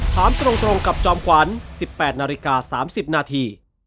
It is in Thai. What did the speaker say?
ถามตรงกับจอมขวัญ๑๘นาฬิกา๓๐นาที